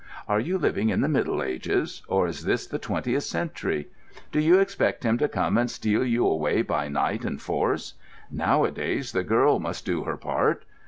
Are you living in the Middle Ages, or is this the Twentieth century? Do you expect him to come and steal you away by night and force? Nowadays the girl must do her part.